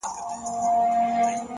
• د ستن او تار خبري ډيري شې دي ـ